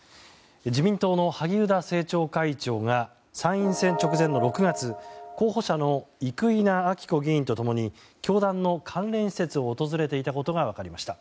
自民党の萩生田政調会長が参院選直前の６月候補者の生稲晃子議員と共に教団の関連施設を訪れていたことが分かりました。